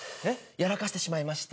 やらかしてしまいまして。